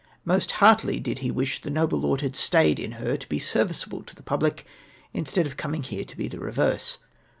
jMost heartily did he wish the noble lord had stayed in her to be serviceable to the public instead of coming here to be the reverse.